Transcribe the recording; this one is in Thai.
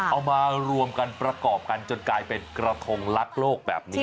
เอามารวมกันประกอบกันจนกลายเป็นกระทงลักโลกแบบนี้